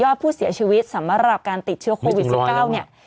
ผู้เสียชีวิตสำหรับการติดเชื้อโควิด๑๙เนี่ย